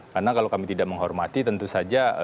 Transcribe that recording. karena kalau kami tidak menghormati tentu saja